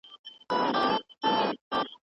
خیر محمد په خپل زوړ کمیس کې د یو اتل په څېر ښکارېده.